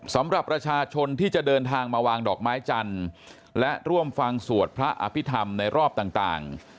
สำหรับประชาชนที่จะเดินทางมาวางดอกไม้จันทร์และร่วมฟังสวดพระอภิษฐรรมในรอบต่าง